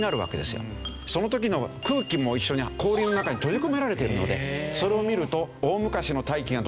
その時の空気も一緒に氷の中に閉じ込められているのでそれを見ると。